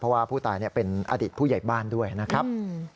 เพราะว่าผู้ตายเป็นอดีตผู้ใหญ่บ้านด้วยนะครับ